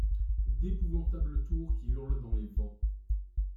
D' épouvantables tours qui hurlent dans les vents ;